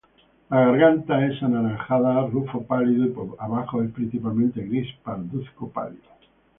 La garganta es anaranjado rufo pálido y por abajo es principalmente gris parduzco pálido.